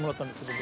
僕。